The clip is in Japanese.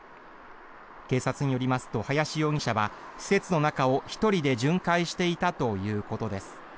警察によりますと林容疑者は施設の中を１人で巡回していたということです。